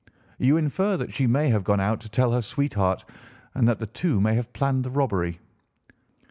You infer that she may have gone out to tell her sweetheart, and that the two may have planned the robbery."